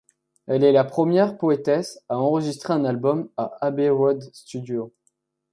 Elle est la première poétesse à enregistrer un album à Abbey Road Studios.